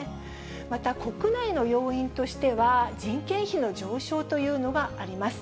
また国内の要因としては、人件費の上昇というのがあります。